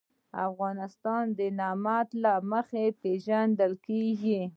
افغانستان د نمک له مخې پېژندل کېږي.